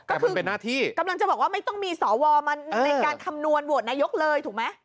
ก็คือเป็นหน้าที่กำลังจะบอกว่าไม่ต้องมีสวมาในการคำนวณโหวตนายกเลยถูกไหม